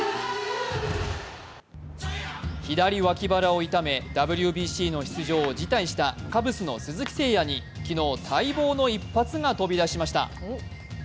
左脇腹を痛めＷＢＣの出場を辞退したカブスの鈴木誠也に昨日、待望の一発が飛び出しました。